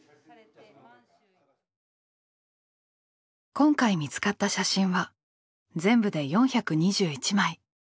今回見つかった写真は全部で４２１枚。